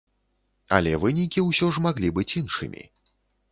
Але вынікі ўсё ж маглі быць іншымі.